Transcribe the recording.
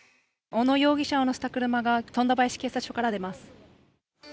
小野容疑者を乗せた車が富田林警察署から出ます。